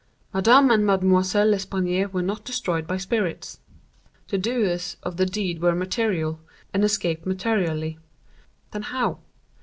Madame and Mademoiselle L'Espanaye were not destroyed by spirits. The doers of the deed were material, and escaped materially. Then how?